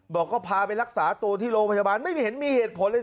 บอกก็พาไปรักษาตัวที่โลกประชาบาลไม่เห็นมีเหตุผลเลย